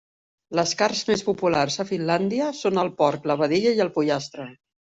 Les carns més populars a Finlàndia són el porc, la vedella i el pollastre.